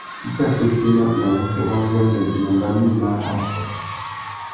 I tà fesséména nà wuchiô wa nguêndê mamba mïma a ru tsaka.